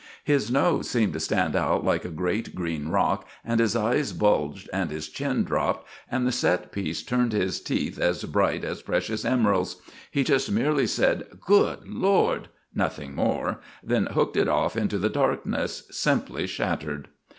His nose seemed to stand out like a great green rock, and his eyes bulged, and his chin dropped, and the set piece turned his teeth as bright as precious emeralds. He just merely said, "Good Lord!" nothing more then hooked it off into the darkness, simply shattered.